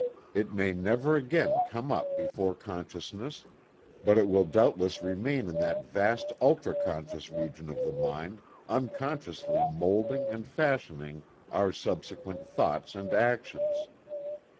It may never again come up before consciousness, but it will doubtless remain in that vast ultra conscious region of the mind, unconsciously moulding and fashioning our subsequent thoughts and actions.